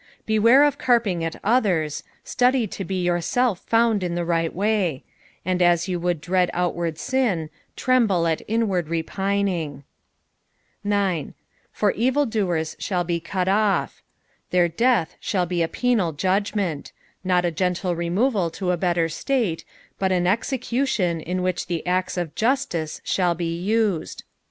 Beware of carping at others, study to be yourself found in the right way ; and u you would dread outward sin, tremble at inward repining. S. "Far «ii dtw* ihall be cut off." Their death eholl be a penal judg ment ; not a gentle removal to a better state, but an execution in which the ■xe of justice shall be used.